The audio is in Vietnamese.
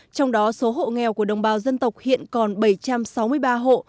trong đó số hộ nghèo của đồng bào dân tộc hiện còn bảy trăm sáu mươi ba hộ